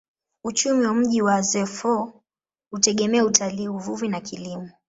Uchumi wa mji wa Azeffou hutegemea utalii, uvuvi na kilimo.